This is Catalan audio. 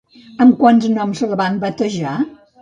Amb quants noms la van batejar?